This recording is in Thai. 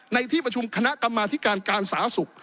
ในที่ประชุมคณะกรรมาธิการการสาธารณสุข